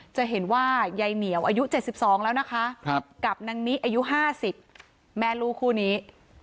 จะเห็นว่ายายเหนียวอายุ๗๒แล้วนะคะกับนางนิอายุ๕๐แม่ลูกคู่นี้